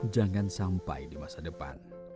jangan sampai di masa depan